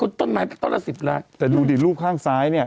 ต้นไม้ไปต้นละสิบแล้วแต่ดูดิรูปข้างซ้ายเนี่ย